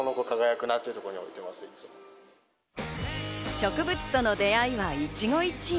植物との出合いは一期一会。